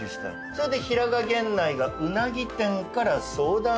それで平賀源内がうなぎ店から相談を受けた。